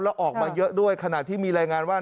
แล้วออกมาเยอะด้วยขณะที่มีรายงานว่า